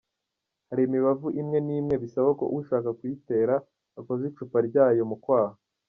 Hari imibavu imwe n’imwe bisaba ko ushaka kuyitera akoza icupa ryayo mu kwaha.